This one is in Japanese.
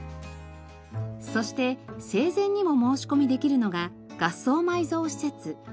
そして生前にも申し込みできるのが合葬埋蔵施設。